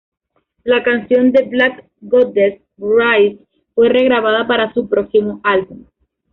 La canción "The Black Goddess Rises" fue re-grabada para su próximo álbum.